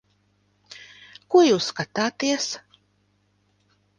Ko jūs skatāties?